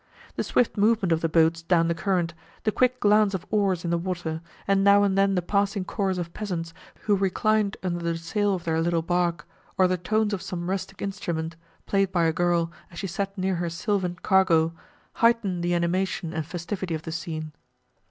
The swift movement of the boats down the current, the quick glance of oars in the water, and now and then the passing chorus of peasants, who reclined under the sail of their little bark, or the tones of some rustic instrument, played by a girl, as she sat near her sylvan cargo, heightened the animation and festivity of the scene.